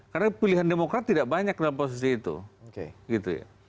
karena pilihan demokrat tidak banyak dalam posisi itu